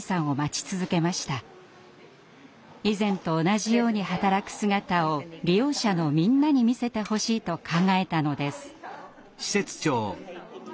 以前と同じように働く姿を利用者のみんなに見せてほしいと考えたのです。